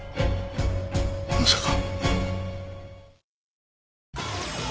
まさか。